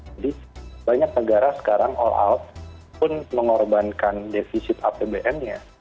jadi banyak negara sekarang all out pun mengorbankan defisit apbn nya